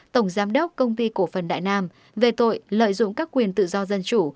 tổng giám đốc công ty cổ phần đại nam về tội lợi dụng các quyền tự do dân chủ